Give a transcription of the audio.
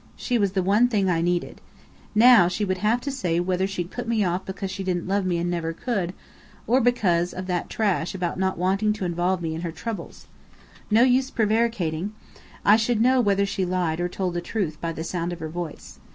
She was the one thing I needed. Now she would have to say whether she'd put me off because she didn't love me and never could, or because of that trash about not wanting to involve me in her troubles. No use prevaricating! I should know whether she lied or told the truth by the sound of her voice.